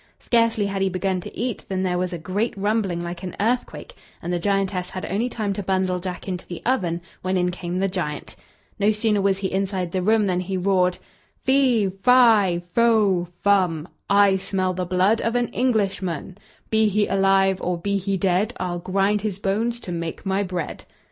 Scarcely had he begun to eat than there was a great rumbling like an earthquake, and the giantess had only time to bundle Jack into the oven when in came the giant. No sooner was he inside the room than he roared: "Fee, fi, fo, fum, I smell the blood of an Englishman; Be he alive, or be he dead, I'll grind his bones to make my bread!"